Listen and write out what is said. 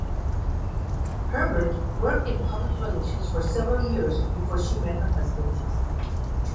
Herbert worked in public relations for several years before she met her husband.